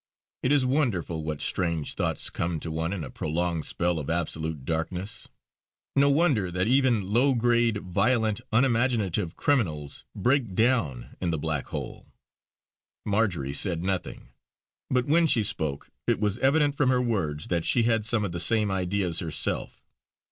It is wonderful what strange thoughts come to one in a prolonged spell of absolute darkness; no wonder that even low grade, violent, unimaginative criminals break down in the black hole! Marjory said nothing; but when she spoke, it was evident from her words that she had some of the same ideas herself.